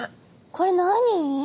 これ何？